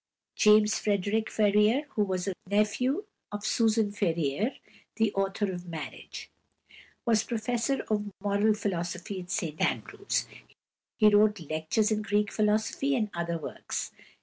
=James Frederick Ferrier (1808 1864)= who was a nephew of Susan Ferrier the author of "Marriage," was professor of moral philosophy at St Andrews. He wrote "Lectures in Greek Philosophy" and other works.